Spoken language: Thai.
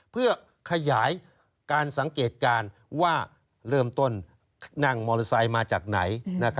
เพื่อขยายการสังเกตการณ์ว่าเริ่มต้นนั่งมอเตอร์ไซค์มาจากไหน